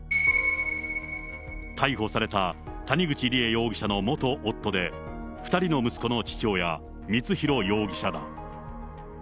逮捕された谷口梨恵容疑者の元夫で、２人の息子の父親、光弘容疑者だ。